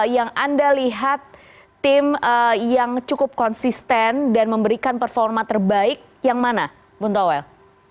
yang anda lihat tim yang cukup konsisten dan memberikan performa terbaik yang mana bung towel